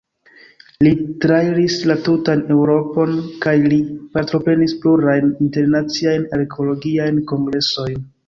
Li trairis la tutan Eŭropon kaj li partoprenis plurajn internaciajn arkeologiajn kongresojn.